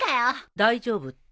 大丈夫って？